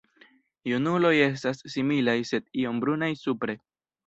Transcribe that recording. Junuloj estas similaj sed iom brunaj supre.